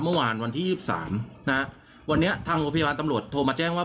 เมื่อวานวันที่๒๓นะฮะวันนี้ทางโรงพยาบาลตำรวจโทรมาแจ้งว่า